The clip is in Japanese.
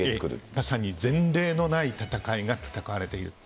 まさに前例のない戦いが戦われている。